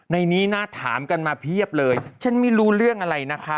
ในนี้น่าถามกันมาเพียบเลยฉันไม่รู้เรื่องอะไรนะคะ